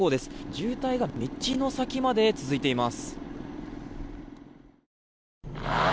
渋滞が道の先まで続いています。